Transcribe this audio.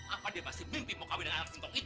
apa dia masih mimpi mau kahwin dengan anak singkong itu